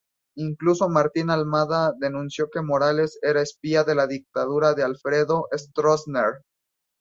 Incluso Martín Almada denunció que Morales era espía de la dictadura de Alfredo Stroessner.